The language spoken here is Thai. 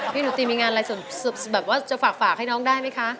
หนูตีมีงานอะไรส่วนแบบว่าจะฝากให้น้องได้ไหมคะ